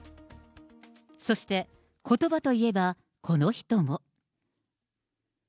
そして、ことばといえば、この人も。